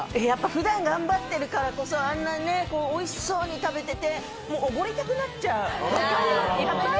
普段頑張ってるからこそ、あんなおいしそうに食べてて、おごりたくなっちゃう！